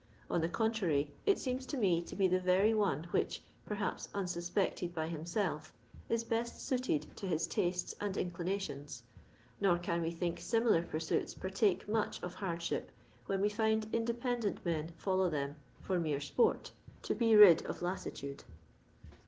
On the contrary, it seems to me to be the very one which, perhaps unsuspected by himself, is best suited to his tastes and inclinations. Nor can we think similar pursuits partake much of hardship when we find independent men follow them iit mere sport, to be rid of lassitude.